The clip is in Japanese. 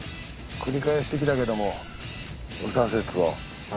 繰り返してきたけども右左折を。